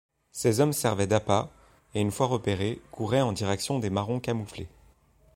Ces hommes servaient d'appât, et une fois repérés, couraient en direction des Marrons camouflés.